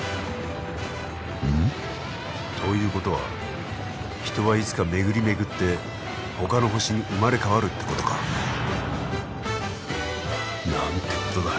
うん？ということは人はいつか巡り巡ってほかの星に生まれ変わるってことか。なんてことだ。